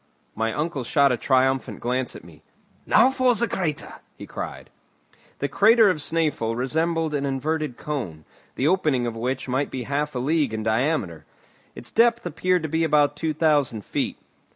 My uncle shot a triumphant glance at me. "Now for the crater!" he cried. The crater of Snæfell resembled an inverted cone, the opening of which might be half a league in diameter. Its depth appeared to be about two thousand feet.